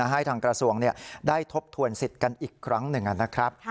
ให้ทางกระทรวงได้ทบทวนสิทธิ์กันอีกครั้งหนึ่งนะครับ